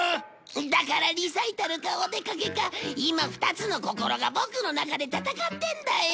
だからリサイタルかお出かけか今２つの心がボクの中で戦ってるんだよ！